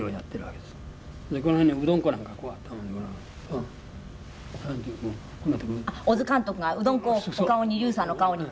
あっ小津監督がうどん粉をお顔に笠さんのお顔に。